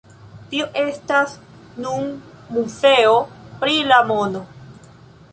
Tio estas nun muzeo pri la mono.